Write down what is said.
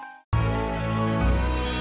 aku ada kemungkinan sih